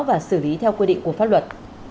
và xử lý theo quy định của pháp luật